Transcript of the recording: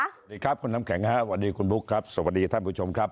สวัสดีครับคุณน้ำแข็งครับสวัสดีคุณบุ๊คครับสวัสดีท่านผู้ชมครับ